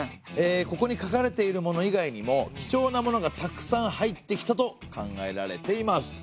ここに書かれているもの以外にも貴重なものがたくさん入ってきたと考えられています。